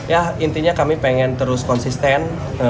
ya intinya kami pengen terus konsisten